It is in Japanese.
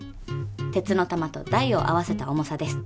鉄の玉と台を合わせた重さです。